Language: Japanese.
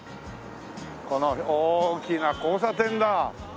この大きな交差点だ！